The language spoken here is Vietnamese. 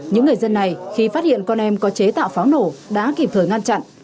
những người dân này khi phát hiện con em có chế tạo pháo nổ đã kịp thời ngăn chặn